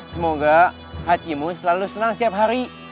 semoga hatimu selalu senang setiap hari